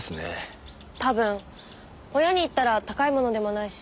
親に言ったら高いものでもないし